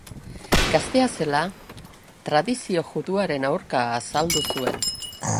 Gaztea zela tradizio juduaren aurka azaldu zuen.